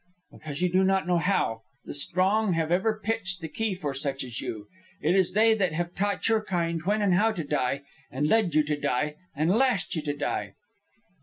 "Because you do not know how. The strong have ever pitched the key for such as you. It is they that have taught your kind when and how to die, and led you to die, and lashed you to die."